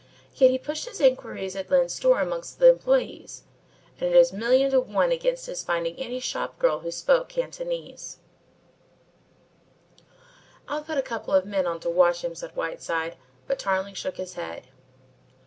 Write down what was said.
Yet he pushed his inquiries at Lyne's Store amongst the employees, and it is a million to one against his finding any shop girl who spoke Cantonese!" "I'll put a couple of men on to watch him," said Whiteside, but Tarling shook his head.